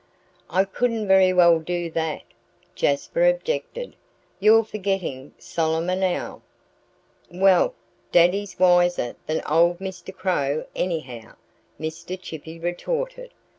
"I couldn't very well do that," Jasper objected. "You're forgetting Solomon Owl." "Well, Daddy's wiser than old Mr. Crow, anyhow," Mr. Chippy retorted.